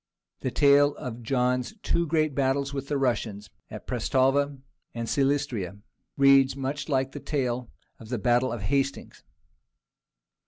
The tale of John's two great battles with the Russians at Presthlava and Silistria reads much like the tale of the battle of Hastings.